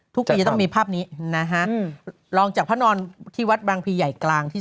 ทุกปีจะต้องมีภาพนี้นะฮะลองจากพระนอนที่วัดบางพีใหญ่กลางที่